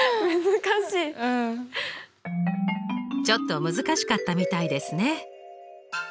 ちょっと難しかったみたいですね。